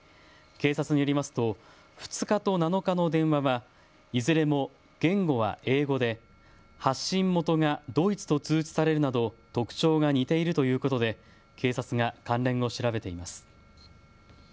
警察によりますと２日と７日の電話はいずれも言語は英語で発信元がドイツと通知されるなど特徴が似ているということで警察が関連を調べています。